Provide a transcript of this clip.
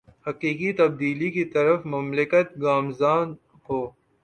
حقیقی تبدیلی کی طرف مملکت گامزن ہو